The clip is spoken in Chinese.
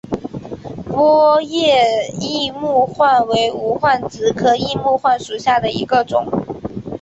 波叶异木患为无患子科异木患属下的一个种。